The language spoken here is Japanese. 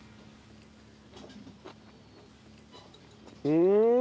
うん！